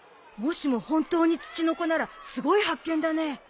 もしも本当にツチノコならすごい発見だね。